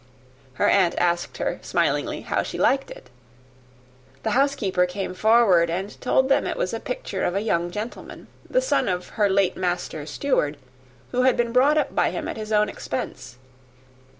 Her aunt asked her, smilingly, how she liked it. The housekeeper came forward, and told them it was the picture of a young gentleman, the son of her late master's steward, who had been brought up by him at his own expense.